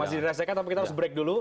masih dirasakan tapi kita harus break dulu